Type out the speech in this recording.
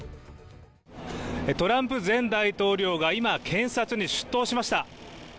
トランプ前大統領が今、検察に出頭しました。